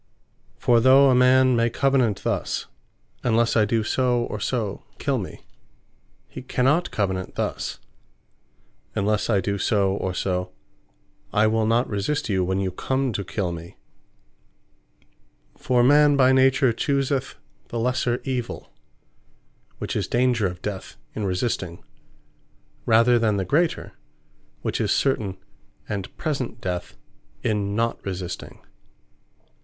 For though a man may Covenant thus, "Unlesse I do so, or so, kill me;" he cannot Covenant thus "Unless I do so, or so, I will not resist you, when you come to kill me." For man by nature chooseth the lesser evill, which is danger of death in resisting; rather than the greater, which is certain and present death in not resisting.